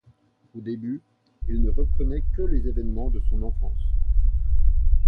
Au début, il ne reprenait que les évènements de son enfance.